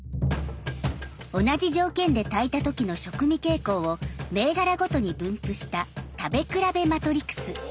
同じ条件で炊いた時の食味傾向を銘柄ごとに分布した食べ比べマトリクス。